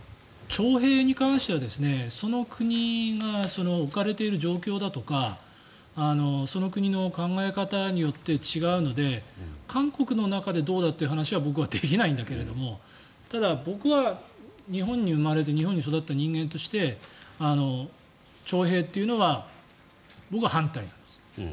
徴兵に関してはその国が置かれている状況だとかその国の考え方によって違うので韓国の中でどうだという話は僕はできないんだけれどもただ、僕は日本に生まれて日本に育った人間として徴兵というのは僕は反対なんです。